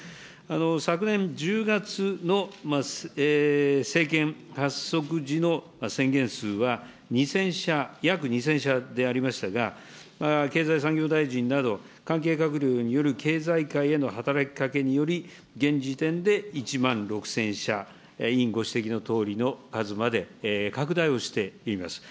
昨年１０月の政権発足時の宣言数は２０００社、約２０００社でありましたが、経済産業大臣など、関係閣僚による経済界への働きかけにより、現時点で１万６０００社、委員ご指摘のとおりの数まで拡大をしています。